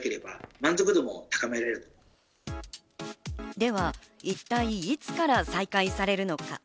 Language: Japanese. では一体いつから再開されるのか？